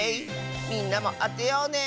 みんなもあてようね！